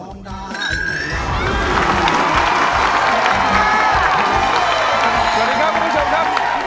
สวัสดีครับคุณผู้ชมครับ